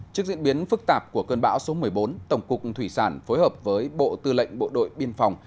trước diễn biến phức tạp của cơn bão số một mươi bốn tổng cục thủy sản phối hợp với bộ tư lệnh bộ đội biên phòng